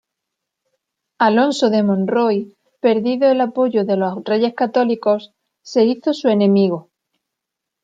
Alonso de Monroy, perdido el apoyo de los reyes católicos, se hizo su enemigo.